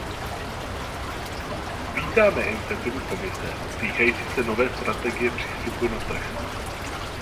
Vítáme iniciativu Komise týkající se nové strategie přístupu na trh.